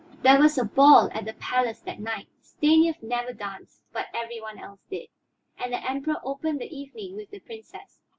There was a ball at the palace that night. Stanief never danced, but every one else did, and the Emperor opened the evening with the Princess.